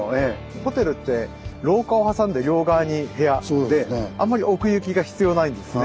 ホテルって廊下を挟んで両側に部屋であんまり奥行きが必要ないんですね。